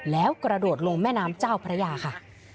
แล้วกระโดดลงแม่น้ำเจ้าพระยาค่ะ